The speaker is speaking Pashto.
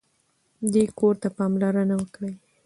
دې کور ته پاملرنه وکړئ.